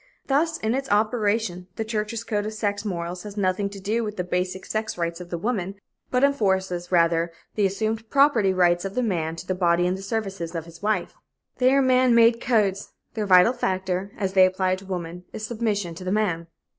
Thus, in its operation, the church's code of sex morals has nothing to do with the basic sex rights of the woman, but enforces, rather, the assumed property rights of the man to the body and the services of his wife. They are man made codes; their vital factor, as they apply to woman, is submission to the man.